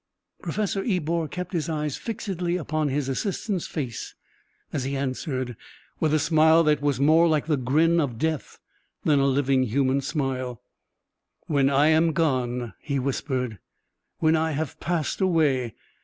Professor Ebor kept his eyes fixedly upon his assistant's face as he answered, with a smile that was more like the grin of death than a living human smile. "When I am gone," he whispered; "when I have passed away.